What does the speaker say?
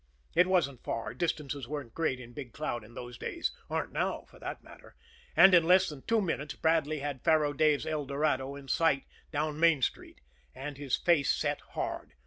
It wasn't far distances weren't great in Big Cloud in those days, aren't now, for that matter and in less than two minutes Bradley had Faro Dave's "El Dorado" in sight down Main Street and his face set hard.